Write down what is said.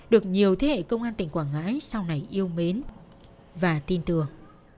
được nhiều thế hệ công an tỉnh quảng ngãi sau này yêu mến và tin tưởng